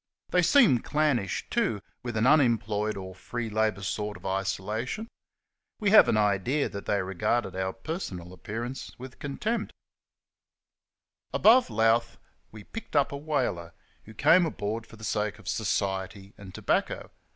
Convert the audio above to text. They seemed clannish, too, with an unemployed or free labour sort of isolation. We have an idea that they regarded our personal appear ance with contempt. Above Louth we picked up a "whaler," who came aboard for the sake of society and tobacco.